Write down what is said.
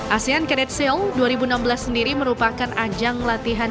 asean cadet sale dua ribu enam belas sendiri merupakan ajang latihan